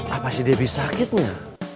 apa sih debby sakitnya